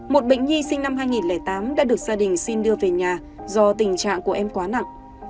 một bệnh nhi sinh năm hai nghìn tám đã được gia đình xin đưa về nhà do tình trạng của em quá nặng